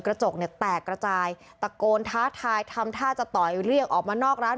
กระจกเนี่ยแตกกระจายตะโกนท้าทายทำท่าจะต่อยเรียกออกมานอกร้าน